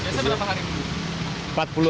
biasanya berapa hari